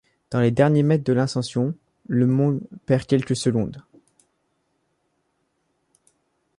Dans les derniers mètres de l'ascension, LeMond perd quelques secondes.